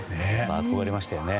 憧れましたよね。